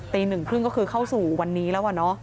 หนึ่งครึ่งก็คือเข้าสู่วันนี้แล้ว